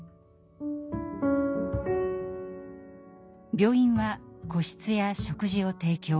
病院は個室や食事を提供。